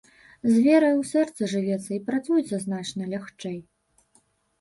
З верай у сэрцы жывецца і працуецца значна лягчэй.